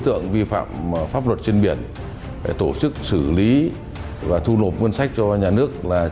kính chào tạm biệt và hẹn gặp lại